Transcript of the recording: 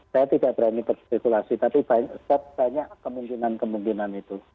saya tidak berani berspekulasi tapi banyak kemungkinan kemungkinan itu